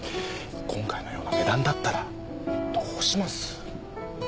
今回のような値段だったらどうします？